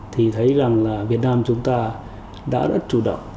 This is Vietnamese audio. thì thấy rằng là việt nam chúng ta đã chủ động